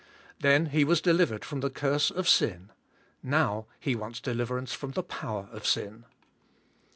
Then he v/as delivered from the curse of sin, now he w^ants deliverance from the powder of sin.